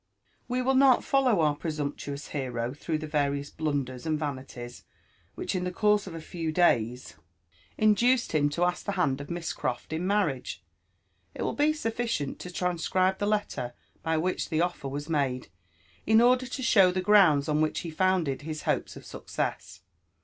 We will not follow our presumptuous hero through kh^ ^Ari$H|a unders and vanities which in the course of a tpm 4a)r^ Uiilaa^ him tt4 LIFE AND ADVENTURES M to ask the hand of Miss Croft in marriage ; it will be snfBcient to transcribe tlie letter by which the offer was made, in order to show tlie grounds on which he founded his hppes of success.